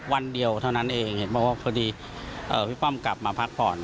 วันเดียวเท่านั้นเองเพราะว่าพี่ป้อมกลับมาพักผ่อน